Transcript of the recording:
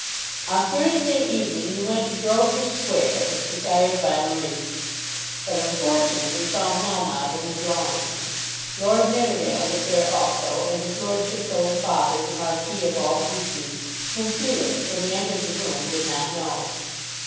On Thursday evening he went to Grosvenor Square, as desired by Marie, but unfortunately found Melmotte in the drawing room. Lord Nidderdale was there also, and his lordship's old father, the Marquis of Auld Reekie, whom Felix, when he entered the room, did not know.